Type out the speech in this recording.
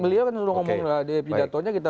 beliau kan sudah ngomong di pidatonya kita